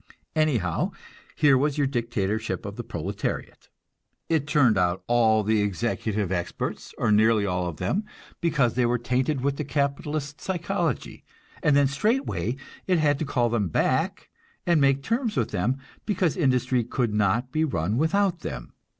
Anyhow, here was your dictatorship of the proletariat. It turned out all the executive experts, or nearly all of them, because they were tainted with the capitalist psychology; and then straightway it had to call them back and make terms with them, because industry could not be run without them.